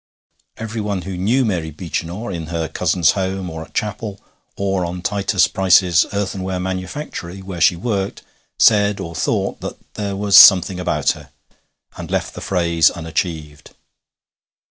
Everyone who knew Mary Beechinor, in her cousin's home, or at chapel, or on Titus Price's earthenware manufactory, where she worked, said or thought that 'there was something about her ...' and left the phrase unachieved.